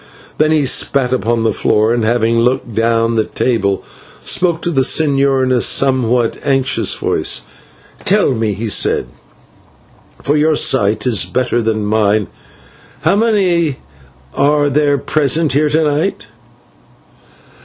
Then he spat upon the floor and, having looked down the table, spoke to the señor in a somewhat anxious voice. "Tell me," he said, "for your sight is better than mine, how many are there present here to night?"